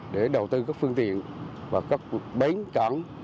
để đầu tư các phương tiện và các bến trắng